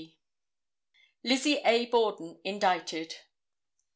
Lizzie A. Borden Indicted.